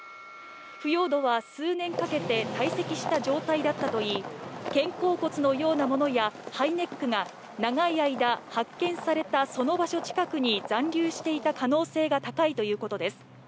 腐葉土は数年かけて堆積した状態だったといい、肩甲骨のようなものやハイネックが長い間発見されたその場所近くに残留していた可能性が高いということです。